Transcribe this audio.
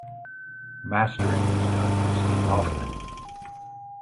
Mastering was done by Steve Hoffman.